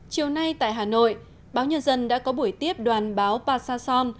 chiều nay tại hà nội báo nhân dân đã có buổi tiếp đoàn báo passa son